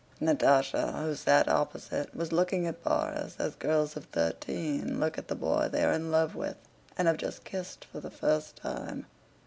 Natásha, who sat opposite, was looking at Borís as girls of thirteen look at the boy they are in love with and have just kissed for the first time.